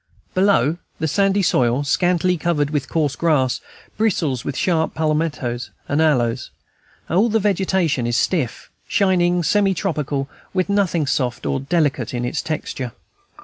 Below, the sandy soil, scantly covered with coarse grass, bristles with sharp palmettoes and aloes; all the vegetation is stiff, shining, semi tropical, with nothing soft or delicate in its texture.